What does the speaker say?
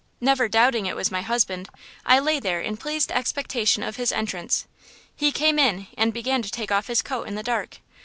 Never doubting it was my husband, I lay there in pleased expectation of his entrance. He came in and began to take off his coat in the dark.